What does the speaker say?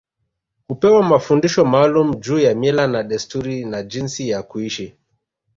Hupewa mafundisho maalum juu ya mila na desturi na jinsi ya kuishi